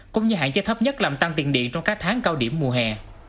cũng như hạn chế thấp nhất làm tăng tiền điện trong các tháng cao điểm mùa hè